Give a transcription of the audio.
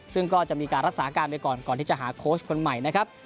ซึ่งก็จะมีการรักษาการไปก่อนก่อนที่จะหาโค้ชคนใหม่นะครับ